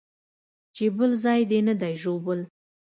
چې بل ځاى دې نه دى ژوبل.